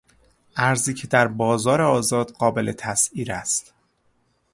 ارزی که در بازار آزاد قابل تسعیر است.